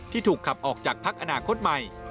ถูกขับออกจากพักอนาคตใหม่